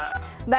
selamat malam mbak